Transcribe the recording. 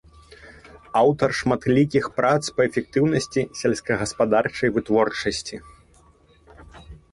Аўтар шматлікіх прац па эфектыўнасці сельскагаспадарчай вытворчасці.